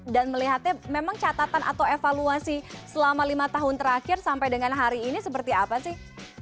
dan melihatnya memang catatan atau evaluasi selama lima tahun terakhir sampai dengan hari ini seperti apa sih